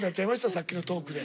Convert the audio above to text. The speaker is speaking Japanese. さっきのトークで。